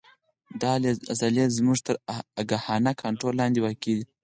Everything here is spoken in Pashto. دا عضلې زموږ تر آګاهانه کنترول لاندې واقع دي.